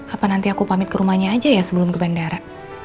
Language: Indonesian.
apa nanti aku pamit ke rumahnya aja ya sebelum ke bandara